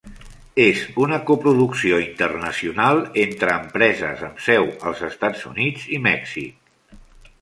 És una coproducció internacional entre empreses amb seu als Estats Units i Mèxic.